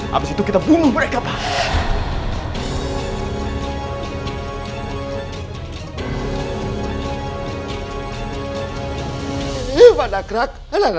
habis itu kita bunuh mereka pak